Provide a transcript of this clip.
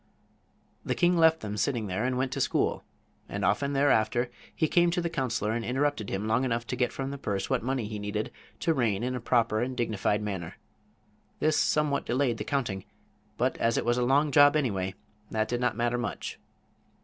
The king left them sitting there and went to school, and often thereafter he came to the counselor and interrupted him long enough to get from the purse what money he needed to reign in a proper and dignified manner. This somewhat delayed the counting, but as it was a long job, anyway, that did not matter much.